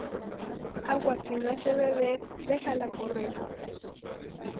Agua que no has de beber, déjala correr